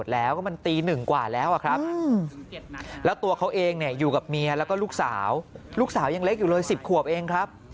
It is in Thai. แล้วตัวเขาเองอยู่กับเมียแล้วก็ลูกสาวลูกสาวยังเล็กอยู่เลย๑๐ขวบเองครับ